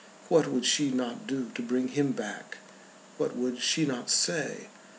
What would she not do to bring him back, what would she not say?